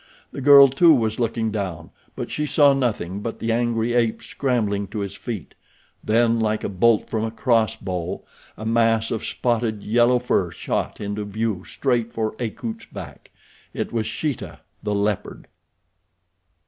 The girl too was looking down; but she saw nothing but the angry ape scrambling to his feet. Then, like a bolt from a cross bow, a mass of spotted, yellow fur shot into view straight for Akut's back. It was Sheeta, the leopard.